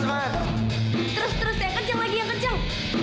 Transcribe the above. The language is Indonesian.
terus terus ya yang kenceng lagi yang kenceng